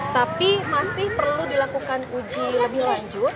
tapi masih perlu dilakukan uji lebih lanjut